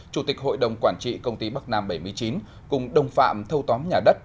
chủ tịch hội đồng quản trị công ty bắc nam bảy mươi chín cùng đồng phạm thâu tóm nhà đất